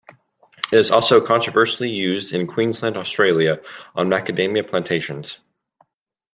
It is also controversially used in Queensland, Australia on macadamia plantations.